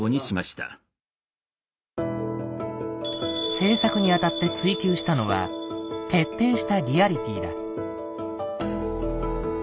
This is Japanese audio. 制作にあたって追求したのは「徹底したリアリティー」だ。